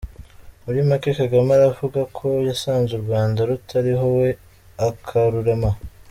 Muri make Kagame aravuga ko yasanze urwanda rutariho we akarurema !